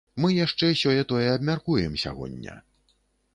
Мы яшчэ сёе-тое абмяркуем сягоння.